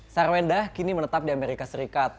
sarwenda kini menetap di amerika serikat